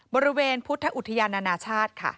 บริเวณพุทธอุทยานานาชาติ